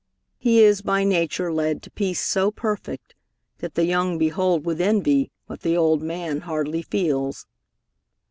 He is by nature led To peace so perfect, that the young behold With envy, what the old man hardly feels.